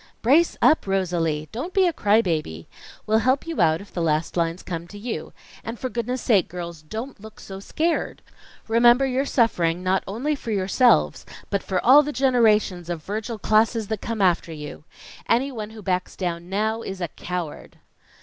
"Brace up, Rosalie! Don't be a cry baby. We'll help you out if the last lines come to you. And for goodness' sake, girls, don't look so scared. Remember you're suffering, not only for yourselves, but for all the generations of Virgil classes that come after you. Anyone who backs down now is a COWARD!"